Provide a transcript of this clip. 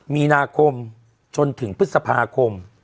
มีนาคมจนถึงพฤษภาคม